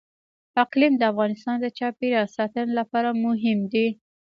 اقلیم د افغانستان د چاپیریال ساتنې لپاره مهم دي.